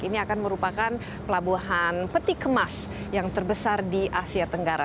ini akan merupakan pelabuhan peti kemas yang terbesar di asia tenggara